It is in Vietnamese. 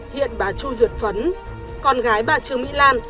hiện bà chu duyệt phấn gái bà trương mỹ lan